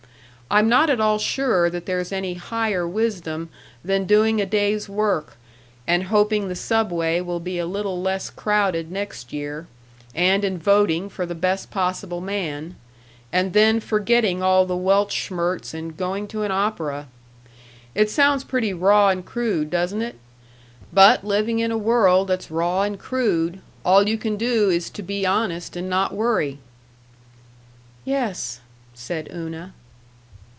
I'm not at all sure that there's any higher wisdom than doing a day's work, and hoping the Subway will be a little less crowded next year, and in voting for the best possible man, and then forgetting all the Weltschmertz, and going to an opera. It sounds pretty raw and crude, doesn't it? But living in a world that's raw and crude, all you can do is to be honest and not worry." "Yes," said Una.